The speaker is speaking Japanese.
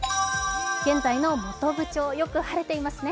現在の本部町、よく晴れていますね。